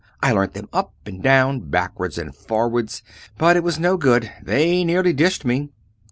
I learnt them up and down, backwards and forwards but it was no good; they nearly dished me!"